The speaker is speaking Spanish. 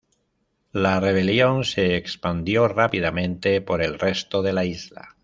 La rebelión se expandió rápidamente por el resto de la isla.